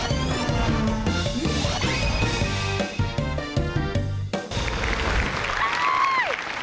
ดินหน้า